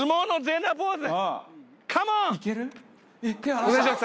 風でお願いします